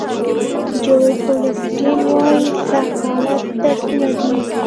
جویل اولیسټن وایي سخت حالات درسونه دي.